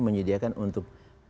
menyediakan untuk lima